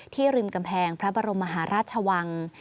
ริมกำแพงพระบรมมหาราชวัง